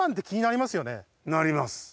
なります。